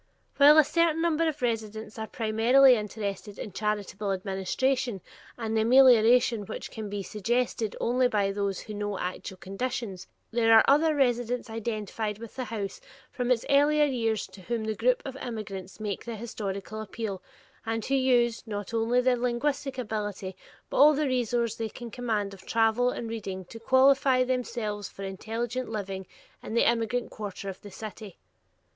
While a certain number of the residents are primarily interested in charitable administration and the amelioration which can be suggested only by those who know actual conditions, there are other residents identified with the House from its earlier years to whom the groups of immigrants make the historic appeal, and who use, not only their linguistic ability, but all the resource they can command of travel and reading to qualify themselves for intelligent living in the immigrant quarter of the city.